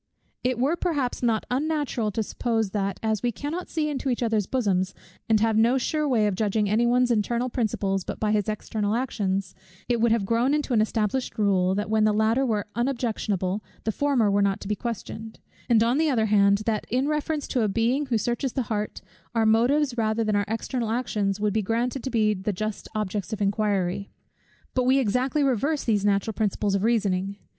It were perhaps not unnatural to suppose that, as we cannot see into each other's bosoms, and have no sure way of judging any one's internal principles but by his external actions, it would have grown into an established rule, that when the latter were unobjectionable, the former were not to be questioned; and on the other hand, that in reference to a Being who searches the heart, our motives, rather than our external actions, would be granted to be the just objects of inquiry. But we exactly reverse these natural principles of reasoning.